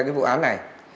cái vụ án này